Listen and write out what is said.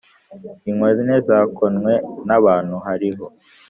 inkone zakonwe n ‘abantu hariho.